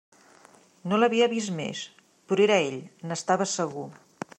No l'havia vist més, però era Ell, n'estava segur.